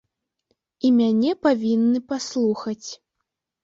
І мяне павінны паслухаць.